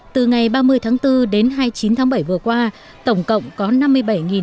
từ ngày ba mươi tháng bốn đến hai mươi chín tháng bảy vừa qua tổng cộng có năm mươi bảy năm trăm ba mươi bốn người đã phải nhập viện